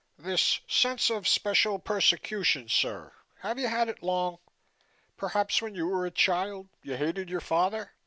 This sense of special persecution, sir, have you had it long? Perhaps when you were a child, you hated your father?